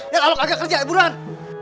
ya kalau kagak kerja ya buruan